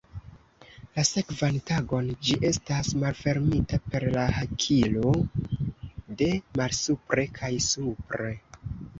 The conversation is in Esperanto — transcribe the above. La sekvan tagon ĝi estas malfermita per la hakilo de malsupre kaj supre.